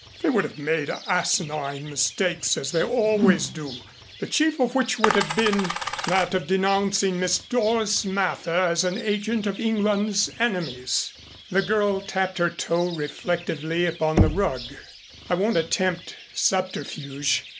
"They would have made asinine mistakes as they always do the chief of which would have been that of denouncing Miss Doris Mather as an agent of England's enemies." The girl tapped her toe reflectively upon the rug. "I won't attempt subterfuge.